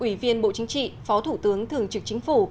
ủy viên bộ chính trị phó thủ tướng thường trực chính phủ